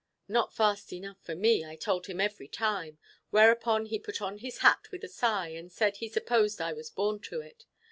Not fast enough for me, I told him every time; whereupon he put on his hat with a sigh, and said he supposed I was born to it.